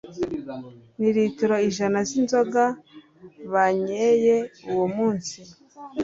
Ni litiro ijana z'inzoga bannyeye uwo munsi?